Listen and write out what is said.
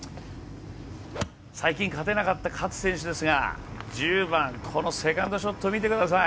最近勝てなかった勝選手ですが１０番、このセカンドショット見てください。